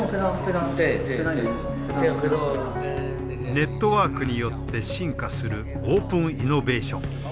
ネットワークによって進化するオープンイノベーション。